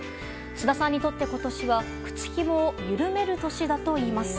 菅田さんにとって今年は靴ひもを緩める年だといいます。